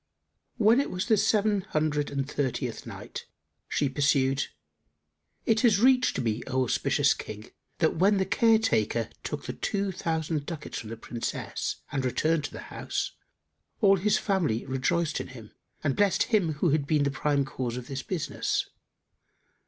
When it was the Seven Hundred and Thirtieth Night, She pursued, It hath reached me, O auspicious King, that when the Care taker took the two thousand ducats from the Princess and returned to his house, all his family rejoiced in him and blessed him who had been the prime cause of this business.